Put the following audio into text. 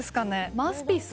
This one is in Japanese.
マウスピース？